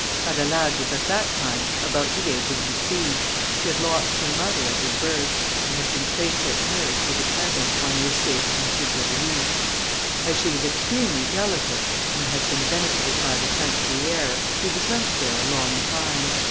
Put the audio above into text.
Adelaide was at that time about the age of Lucie; she had lost her mother at her birth, and had been placed at nurse with a peasant, on the estate of M. d'Orly. As she was extremely delicate, and had been benefited by the country air, she was left there a long time.